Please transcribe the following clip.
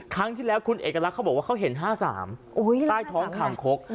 ครั้งที่แล้วคุณเอกลักษณ์เขาบอกว่าเขาเห็น๕๓ใต้ท้องคางคก